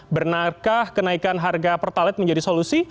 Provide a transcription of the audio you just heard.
benarkah kenaikan harga pertalite menjadi solusi